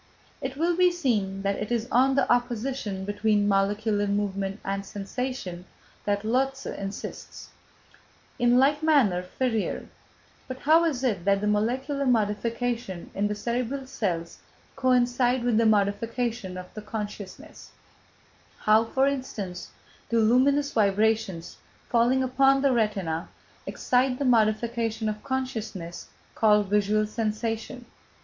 It will be seen that it is on the opposition between molecular movement and sensation, that Lotze insists. In like manner Ferrier: "But how is it that the molecular modifications in the cerebral cells coincide with the modifications of the consciousness; how, for instance, do luminous vibrations falling upon the retina excite the modification of consciousness called visual sensation?